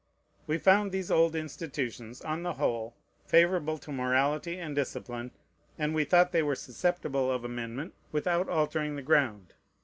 We found these old institutions, on the whole, favorable to morality and discipline; and we thought they were susceptible of amendment, without altering the ground.